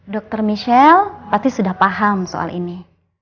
dokter michelle pasti sudah paham soal ini